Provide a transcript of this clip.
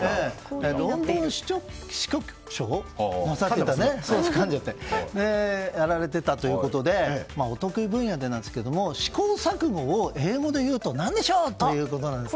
ロンドン支局長をやられていたということでお得意分野なんですが試行錯誤を英語で言うと何でしょう？ということなんですね。